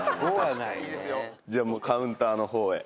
「じゃあもうカウンターの方へ」